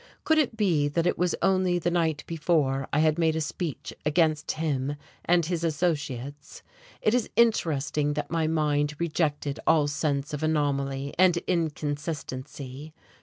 Could it be that it was only the night before I had made a speech against him and his associates? It is interesting that my mind rejected all sense of anomaly and inconsistency.